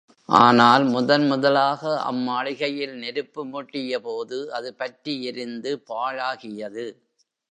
ஆனால், முதன் முதலாக அம் மாளிகையில் நெருப்பு மூட்டியபோது, அது பற்றி எரிந்து பாழாகியது.